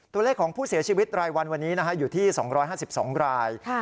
ตัวเลขของผู้เสียชีวิตรายวันวันนี้นะคะอยู่ที่สองร้อยห้าสิบสองรายค่ะ